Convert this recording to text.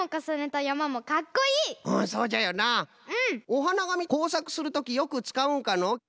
おはながみこうさくするときよくつかうんかの？